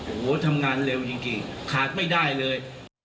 โอ้โหทำงานเร็วจริงขาดไม่ได้เลย